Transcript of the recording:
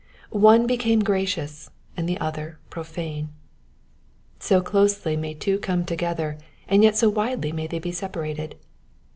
One became gracious, and the other profane. So closely may two come to gether, and yet so widely may they be separated